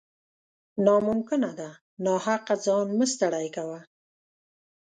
نا ممکنه ده ، ناحقه ځان مه ستړی کوه